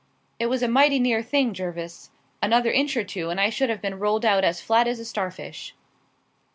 It was a mighty near thing, Jervis; another inch or two and I should have been rolled out as flat as a starfish."